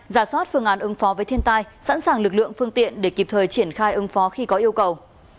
giả soát phương án ứng phó với thiên tai sẵn sàng lực lượng phương tiện để kịp thời triển khai ứng phó khi có yêu cầu